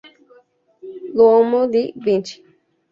L'uomo di Vinci.